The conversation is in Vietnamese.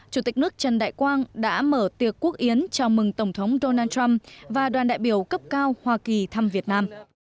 chủ tịch nước trần đại quang đã mở tiệc quốc yến chào mừng tổng thống donald trump và đoàn đại biểu cấp cao hoa kỳ thăm việt nam